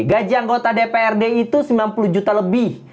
gaji anggota dprd itu sembilan puluh juta lebih